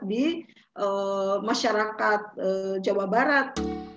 di masyarakat jawa barat